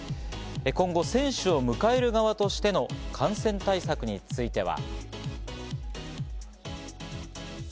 今後、選手を迎える側としての感染対策については。